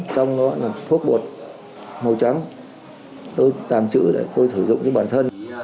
trong đó là thuốc bột màu trắng tôi tàn trữ để tôi sử dụng cho bản thân